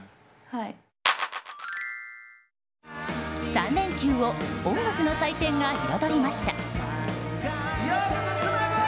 ３連休を音楽の祭典が彩りました。